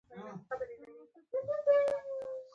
وبخښه، زه په ژبه نه پوهېږم؟